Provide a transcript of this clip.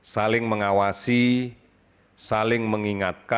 saling mengawasi saling mengingatkan